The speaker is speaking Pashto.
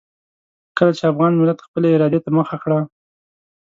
کله چې افغان ملت خپلې ارادې ته مخه کړه.